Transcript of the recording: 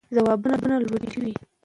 ځوابونه ولټوئ.